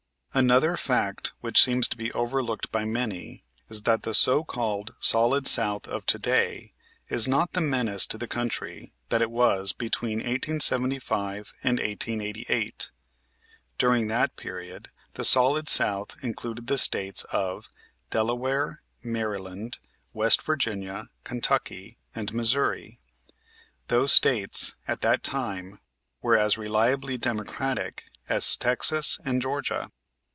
Another fact which seems to be overlooked by many is that the so called Solid South of to day is not the menace to the country that it was between 1875 and 1888. During that period the Solid South included the States of Delaware, Maryland, West Virginia, Kentucky, and Missouri. Those States at that time were as reliably Democratic as Texas and Georgia.